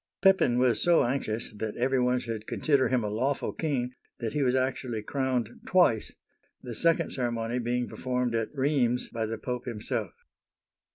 Pepin was so anxious that every one should consider him a lawful king, that he was actually crowned twice, the second ceremony being performed at Rheims, by the Pope himself.